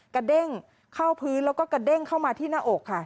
เด้งเข้าพื้นแล้วก็กระเด้งเข้ามาที่หน้าอกค่ะ